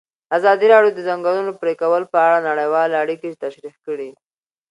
ازادي راډیو د د ځنګلونو پرېکول په اړه نړیوالې اړیکې تشریح کړي.